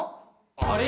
あれ？